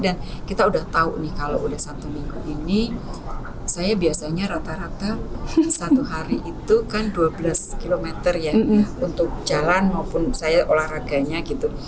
dan kita udah tahu nih kalau udah satu minggu ini saya biasanya rata rata satu hari itu kan dua belas km ya untuk jalan maupun saya olahraganya gitu